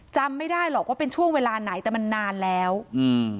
จำไม่ได้หรอกว่าเป็นช่วงเวลาไหนแต่มันนานแล้วอืม